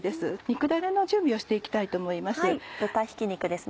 肉だねの準備をして行きたいと思います。